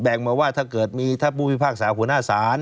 มาว่าถ้าเกิดมีถ้าผู้พิพากษาหัวหน้าศาล